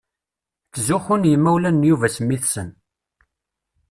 Ttzuxxun yimawlan n Yuba s mmi-tsen.